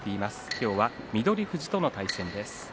今日は翠富士との対戦です。